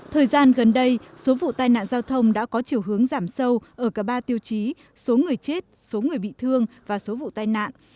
thời gian gần đây số vụ tai nạn giao thông đã có chiều hướng giảm sâu ở cả ba tiêu chí số người chết số người bị thương và số vụ tai nạn